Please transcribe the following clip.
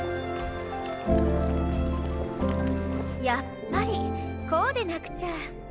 やっぱりこうでなくちゃ。